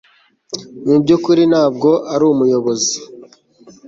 mu byukuri ntabwo ari umuyobozi